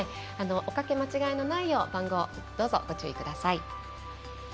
おかけ間違えのないよう、番号どうぞ、ご注意ください。